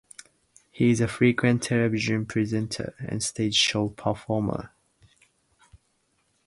He is a frequent television presenter and stage show performer.